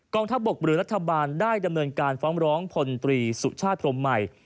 ทัพบกหรือรัฐบาลได้ดำเนินการฟ้องร้องพลตรีสุชาติพรมใหม่